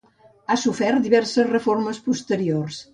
Ha sofert diverses reformes posteriors.